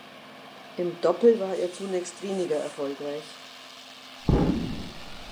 Im Doppel war er zunächst weniger erfolgreich.